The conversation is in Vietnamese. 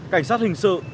cảnh sát hình sự